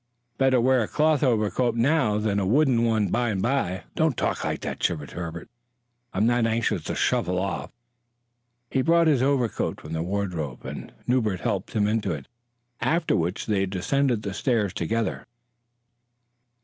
Better wear a cloth overcoat now than a wooden one by and by." "Don't talk that way," shivered Herbert. "I'm not anxious to shuffle off." He brought his overcoat from the wardrobe, and Newbert helped him into it, after which they descended the stairs together.